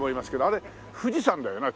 あれ富士山だよな？